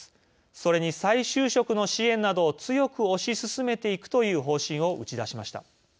それに、再就職の支援などを強く推し進めていくという方針を打ち出しました。